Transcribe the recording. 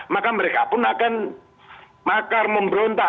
maka mereka pun akan makar memberontak